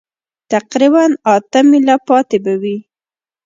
تقریباً اته مېله پاتې به وي.